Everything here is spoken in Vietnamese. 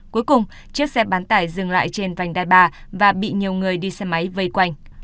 cuối cùng chiếc xe bán tải dừng lại trên vành đai ba và bị nhiều người đi xe máy vây quanh